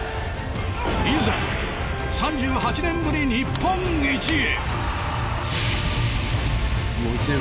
いざ３８年ぶり日本一へ。